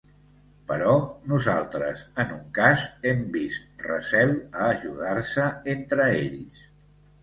Però nosaltres, en un cas, hem vist recel a ajudar-se entre ells.